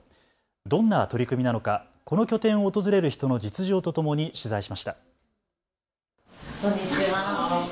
どんな取り組みなのか、この拠点を訪れる人の実情とともに取材しました。